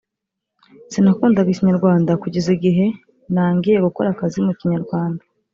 Sinakundaga ikinyarwanda kugeza igihe nangiye gukora akazi mu Kinyarwanda